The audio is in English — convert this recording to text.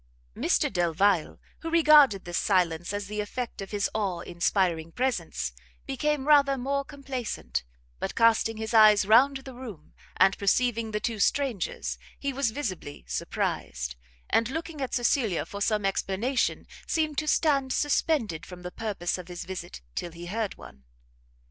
Mr Delvile, who regarded this silence as the effect of his awe inspiring presence, became rather more complacent; but casting his eyes round the room, and perceiving the two strangers, he was visibly surprised, and looking at Cecilia for some explanation, seemed to stand suspended from the purpose of his visit till he heard one.